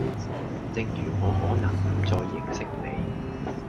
正如我可能唔再認識你